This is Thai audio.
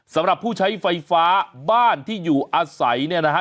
สำหรับผู้ใช้ไฟฟ้าบ้านที่อยู่อาศัยเนี่ยนะฮะ